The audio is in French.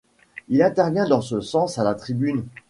Il intervient dans ce sens à la tribune.